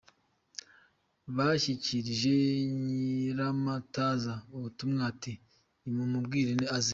Bashyikirije Nyiramataza ubutumwa, ati “Nimumubwire aze.